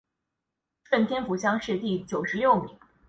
顺天府乡试第九十六名。